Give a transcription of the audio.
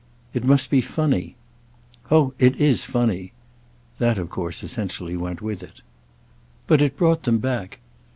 "It must be funny." "Oh it is funny." That of course essentially went with it. But it brought them back.